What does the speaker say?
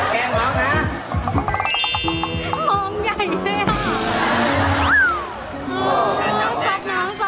แกหอมนะหอมใหญ่เลยอ่ะ